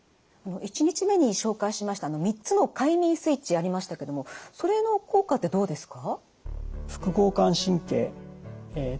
１日目に紹介しました３つの快眠スイッチありましたけどもそれの効果ってどうですか？